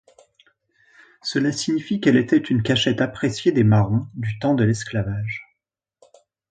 Cela signifie qu'elle était une cachette appréciée des Marrons du temps de l'esclavage.